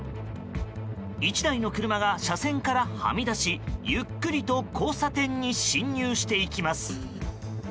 １台の車が車線からはみ出だしゆっくりと交差点に進入していきます。